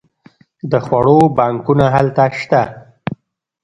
د خوړو بانکونه هلته شته.